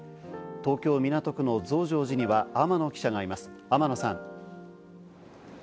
東京・港区の増上寺には、天野記者がいます、天野さん。